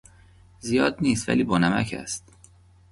زیاد نیست ولی بانمک است.